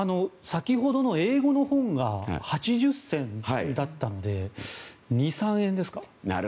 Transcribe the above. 先ほどの英語の本が８０銭だったので２３円ですか？